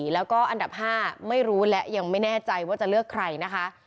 แล้วก็อันดับ๕ไม่รู้และยังไม่แน่ใจว่าจะเลือกใครนะคะ